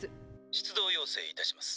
「出動要請いたします。